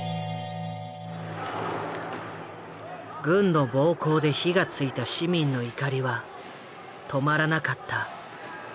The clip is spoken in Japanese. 軍の暴行で火が付いた市民の怒りは止まらなかった。